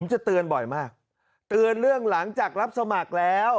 จะเตือนบ่อยมากเตือนเรื่องหลังจากรับสมัครแล้ว